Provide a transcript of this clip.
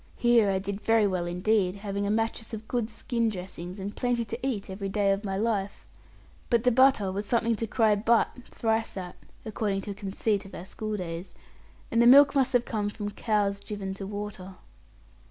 Here I did very well indeed, having a mattress of good skin dressings, and plenty to eat every day of my life, but the butter was something to cry 'but' thrice at (according to a conceit of our school days), and the milk must have come from cows driven to water.